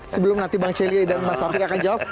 sebelum nanti bang celi dan mas fahri akan jawab